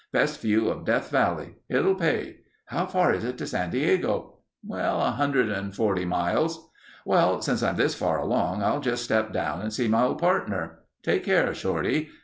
Best view of Death Valley. It'll pay. How far is it to San Diego?" "A hundred and forty miles...." "Well, since I'm this far along I'll just step down and see my old partner. Take care of Shorty...."